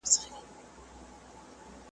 زاهده نن دي وار دی د مستیو، د رقصونو .